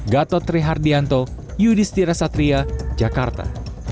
gatotri hardianto yudhistira satria jakarta